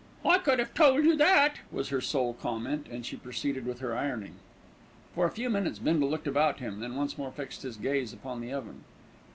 "I could have told you that!" was her sole comment, and she proceeded with her ironing. For a few minutes Bindle looked about him, then once more fixed his gaze upon the oven.